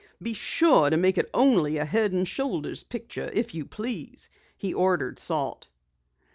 "Be sure to make it only a head and shoulders picture, if you please," he ordered Salt.